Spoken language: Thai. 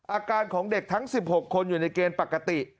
อาการของเด็กทั้ง๑๖คนอยู่ในเกณฑ์ปกติ